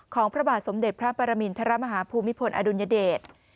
พระบาทสมเด็จพระปรมินทรมาฮาภูมิพลอดุลยเดช